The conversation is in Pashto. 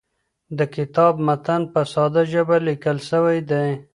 د کتاب متن په ساده ژبه لیکل سوی دی.